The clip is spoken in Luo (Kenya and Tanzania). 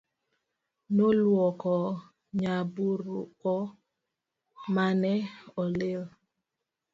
Noluoko nyamburko mane olil